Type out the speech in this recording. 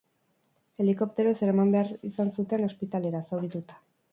Helikopteroz eraman behar izan zuten ospitalera, zaurituta.